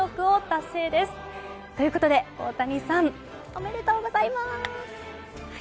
おめでとうございます！